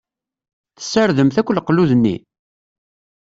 Tessardemt akk leqlud-nni?